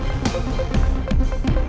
gue juga bingung sama tante nawang